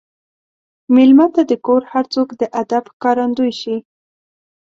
مېلمه ته د کور هر څوک د ادب ښکارندوي شي.